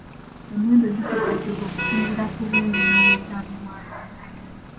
Emiwendo gikyukakyuka okusinziira ku bungi n'obwetaavu bwagyo.